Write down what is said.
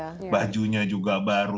sepatunya juga baru bajunya juga baru